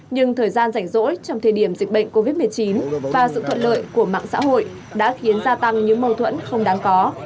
nhưng thời gian rảnh rỗi trong thời điểm dịch bệnh covid một mươi chín và sự thuận lợi của mạng xã hội đã khiến gia tăng những mâu thuẫn không đáng có